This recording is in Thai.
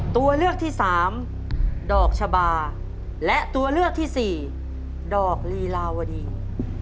ตัวเลือกที่สามดอกชะบาและตัวเลือกที่สี่ดอกลีลาวดี